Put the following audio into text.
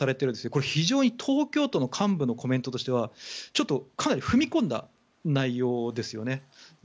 これ、非常に東京都の幹部のコメントとしてはちょっとかなり踏み込んだ内容ですよね。